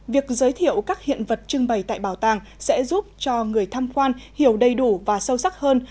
việc giới thiệu các hiện vật trưng bày tại bảo tàng sẽ giúp cho người tham quan hiểu đầy đủ và sâu sắc hơn